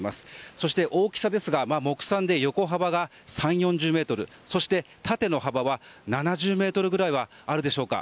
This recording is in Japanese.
そして、大きさですが目算で横幅が３０４０ｍそして、縦の幅は７０ｍくらいはあるでしょうか。